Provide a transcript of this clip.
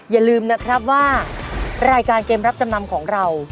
อย่าลืมนะครับว่ารายการเกมรับจำนำของเรา